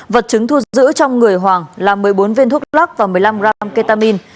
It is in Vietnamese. vật chứng thu giữ trong người hoàng là một mươi bốn viên thuốc lắc và một mươi năm gram ketamine